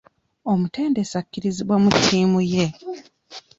Omutendesi akkiririza mu ttiimu ye.